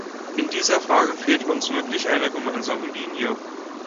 In dieser Frage fehlt uns wirklich eine gemeinsame Linie.